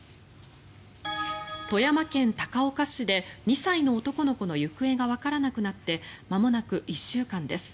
富山県高岡市で２歳の男の子の行方がわからなくなってまもなく１週間です。